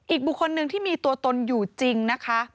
อีกบุคคลหนึ่งที่มีตัวตนอยู่จริงนะคะ